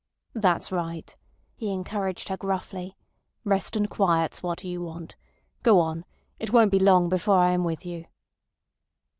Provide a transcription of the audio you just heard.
"That's right," he encouraged her gruffly. "Rest and quiet's what you want. Go on. It won't be long before I am with you."